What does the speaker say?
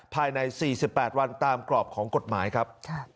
ภายใน๔๘วันตามกรอบของกฎหมายครับ